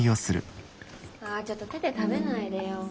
あちょっと手で食べないでよ。